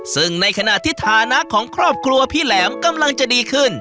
ซึ่งในขณะที่ฐานะของครอบครัวพี่แหลมกำลังจะดีขึ้น